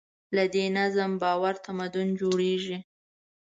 له دې منظم باور تمدن جوړېږي.